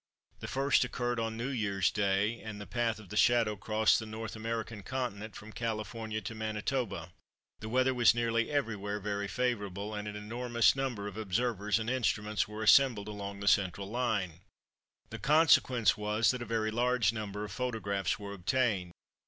The first occurred on New Year's Day, and the path of the shadow crossed the North American Continent from California to Manitoba. The weather was nearly everywhere very favourable, and an enormous number of observers and instruments were assembled along the central line. The consequence was that a very large number of photographs were obtained.